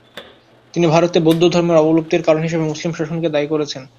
তিনি ভারতে বৌদ্ধধর্মের অবলুপ্তির কারণ হিসেবে মুসলিম শাসনকে দায়ী করেছেন।